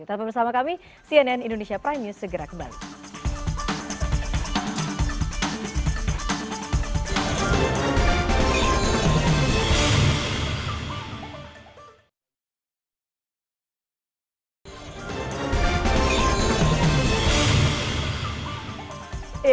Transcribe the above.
tetap bersama kami cnn indonesia prime news segera kembali